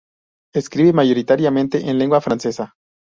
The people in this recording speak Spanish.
Escribe mayoritariamente en lengua francesa.